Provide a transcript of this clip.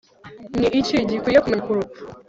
Ni iki gikwiye kumenya ku rupfu